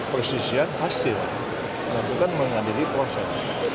persisian hasil bukan mengadili proses